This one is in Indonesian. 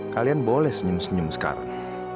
kalian boleh senyum senyum sekarang